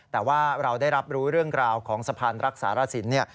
แต่ว่าเราได้รับรู้เรื่องราวของสะพานรักษารสิน